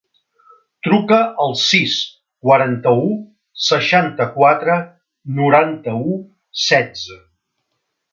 Truca al sis, quaranta-u, seixanta-quatre, noranta-u, setze.